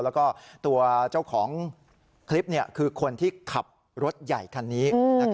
แล้วก็ตัวเจ้าของคลิปคือคนที่ขับรถใหญ่คันนี้